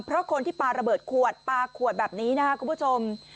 เพราะคนที่ปลาระเบิดขวดปลาขวดแบบนี้นะครับคุณผู้ชม